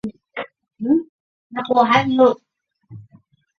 他曾外借至奥超萨尔斯堡红牛足球会。